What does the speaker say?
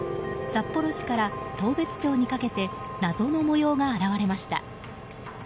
札幌市から当別町にかけて謎の模様が現れました。